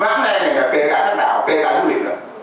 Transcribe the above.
bán này này là kề gãi các đảo kề gãi du lịch lắm